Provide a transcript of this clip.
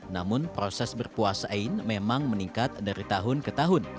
namun proses berpuasa ain memang meningkat dari tahun ke tahun